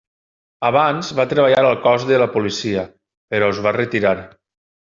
Abans va treballar al cos de la policia, però es va retirar.